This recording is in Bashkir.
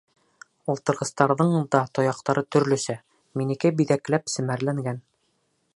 Ултырғыстарҙың да тояҡтары төрлөсә, минеке биҙәкләп-семәрләнгән.